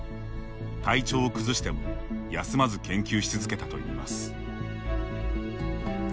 体調を崩しても休まず研究し続けたといいます。